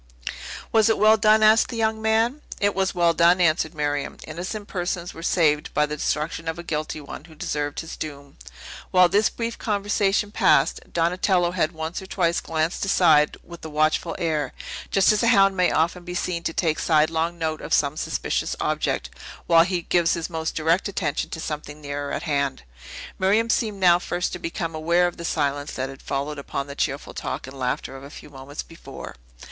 "Was it well done?" asked the young man. "It was well done," answered Miriam; "innocent persons were saved by the destruction of a guilty one, who deserved his doom." While this brief conversation passed, Donatello had once or twice glanced aside with a watchful air, just as a hound may often be seen to take sidelong note of some suspicious object, while he gives his more direct attention to something nearer at, hand. Miriam seemed now first to become aware of the silence that had followed upon the cheerful talk and laughter of a few moments before.